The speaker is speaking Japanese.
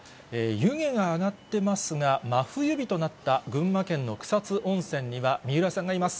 湯気が上がってますが、真冬日となった群馬県の草津温泉には三浦さんがいます。